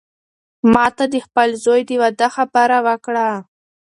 ما ته د خپل زوی د واده خبره وکړه.